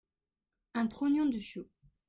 Un trognon de chou.